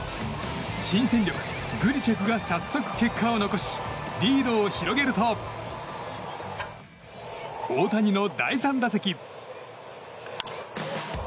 新戦力グリチェクが早速、結果を残しリードを広げると大谷の第３打席。